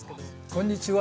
こんにちは。